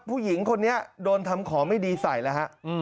ผู้หญิงคนนี้โดนทำของไม่ดีใส่แล้วฮะ